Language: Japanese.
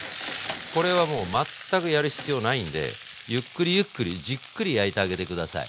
これはもう全くやる必要ないんでゆっくりゆっくりじっくり焼いてあげて下さい。